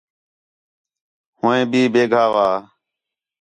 ہو عیں بھی بیگھاوا